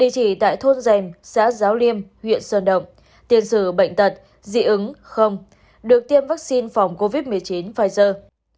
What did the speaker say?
thì tại thôn giềm xã giáo liêm huyện sơn đậm tiền sử bệnh tật dị ứng không được tiêm vaccine phòng covid một mươi chín pfizer